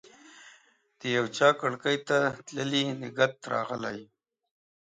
د یوچا کړکۍ ته تللي نګهت راغلی